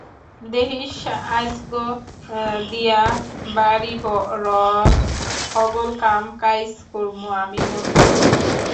দেহিস আইজগো দিয়া বাড়িরর হগল কাম কাইজ করমু আমি মন দিয়া।